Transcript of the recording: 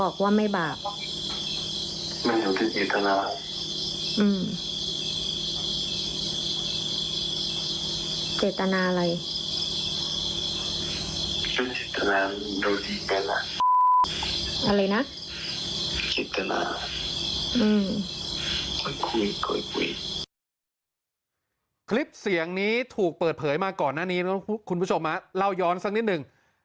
คลิปเสียงนี้ถูกเปิดเผยมาก่อนหน้านี้แล้วคุณผู้ชมเล่าย้อนสักนิดหนึ่ง